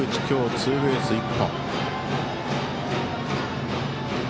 今日ツーベース１本。